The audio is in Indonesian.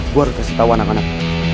gue harus kasih tau anak anak